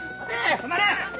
止まれ！